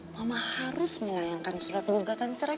mama harus melayangkan surat gugatan cerai